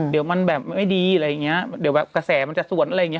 เดี๋ยวมันแบบไม่ดีอะไรอย่างเงี้ยเดี๋ยวแบบกระแสมันจะสวนอะไรอย่างเง